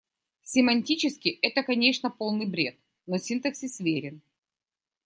Семантически это, конечно, полный бред, но синтаксис верен.